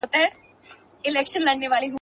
نور نو څه راڅخه غواړې